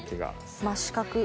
真四角。